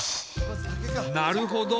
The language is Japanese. なるほど。